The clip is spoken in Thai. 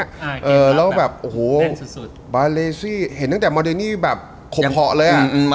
แล้วก็แบบอู๋บาเลซีเห็นตั้งแต่โมเดนี่แบบหกเหาะเลยอะ